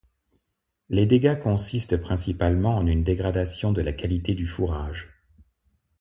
Les dégâts consistent principalement en une dégradation de la qualité du fourrage.